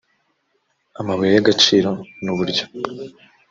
amabuye y agaciro n uburyo